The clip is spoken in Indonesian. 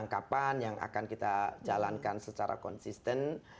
yang kita lakukan yang kita lakukan secara konsisten